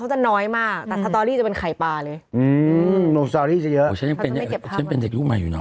อะไรอย่างนี้ให้วันเกิดเขารู้จักก็ยาวแล้ว